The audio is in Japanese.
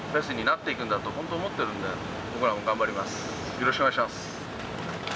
よろしくお願いします。